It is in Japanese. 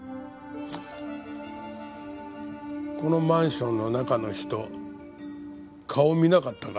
このマンションの中の人顔見なかったか？